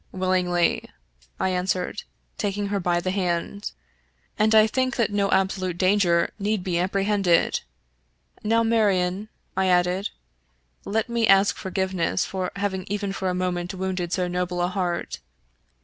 " Willingly," I answered, taking her by the hand ;" and I think that no absolute danger need be apprehended. Now, Marion," I added, " let me ask forgiveness for having even for a moment wounded so noble a heart.